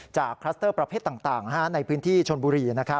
คลัสเตอร์ประเภทต่างในพื้นที่ชนบุรี